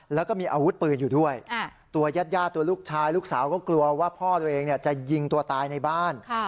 แล้วก็มีอาวุธปืนอยู่ด้วยตัวยาดตัวลูกชายลูกสาวก็กลัวว่าพ่อตัวเองจะยิงตัวตายในบ้าน